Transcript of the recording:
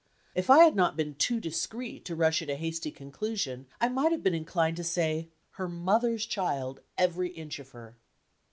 If I had not been too discreet to rush at a hasty conclusion, I might have been inclined to say: her mother's child, every inch of her!